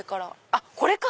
あっこれか！